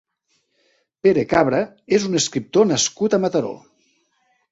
Pere Cabra és un escriptor nascut a Mataró.